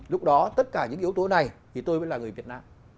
lúc đó tất cả những yếu tố này thì tôi mới là người việt nam